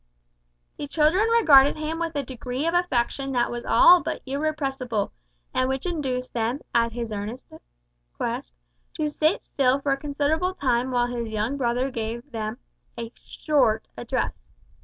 The children regarded him with a degree of affection that was all but irrepressible, and which induced them, at his earnest request, to sit still for a considerable time while his young brother gave them "a short address."